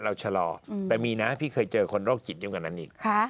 ชะลอแต่มีนะพี่เคยเจอคนโรคจิตเดียวกันนั้นอีก